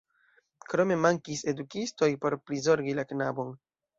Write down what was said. Krome mankis edukistoj por prizorgi la knabon.